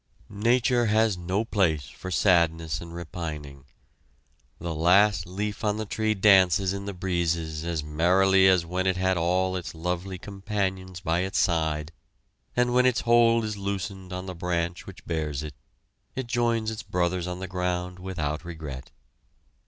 Nature has no place for sadness and repining. The last leaf on the tree dances in the breezes as merrily as when it had all its lovely companions by its side, and when its hold is loosened on the branch which bares it, it joins its brothers on the ground without regret.